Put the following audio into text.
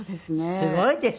すごいですよね！